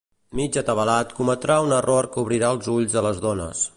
Mig atabalat cometrà un error que obrirà els ulls a les dones.